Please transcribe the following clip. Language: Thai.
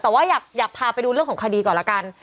แต่ว่าอยากพาไปดูเรื่องของคดีก่อนละกัน